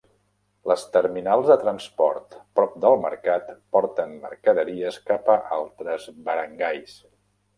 Les terminals de transport prop del mercat porten mercaderies cap a altres barangays.